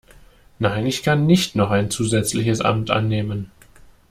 Nein, ich kann nicht noch ein zusätzliches Amt annehmen.